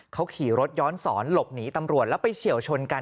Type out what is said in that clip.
เขาขี่รถย้อนสอนหลบหนีตำรวจแล้วไปเฉียวชนกัน